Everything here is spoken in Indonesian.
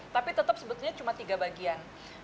tapi tetap sebetulnya cuma tiga bagian